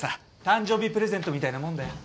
誕生日プレゼントみたいなもんだよ。